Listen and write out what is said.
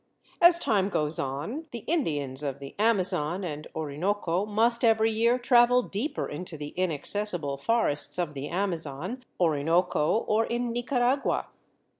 As time goes on the Indians of the Amazon and Orinoco must every year travel deeper into the inaccessible forests of the Amazon, Orinoco, or in Nicaragua.